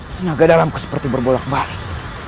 tenaga dalam seperti berbolak balik